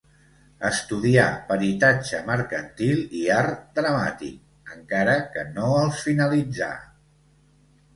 Estudià peritatge mercantil i art dramàtic, encara que no els finalitzà.